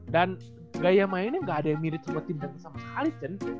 dan gaya mainnya nggak ada yang mirip sama tim duncan sama sekali cen